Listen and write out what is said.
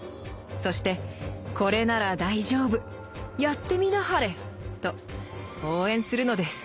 そして「これなら大丈夫やってみなはれ」と応援するのです。